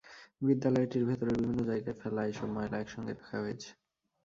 বিদ্যালয়টির ভেতরের বিভিন্ন জায়গায় ফেলা এসব ময়লা একসঙ্গে করে রাখা হয়েছে।